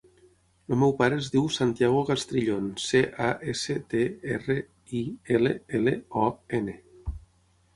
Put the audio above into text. El meu pare es diu Santiago Castrillon: ce, a, essa, te, erra, i, ela, ela, o, ena.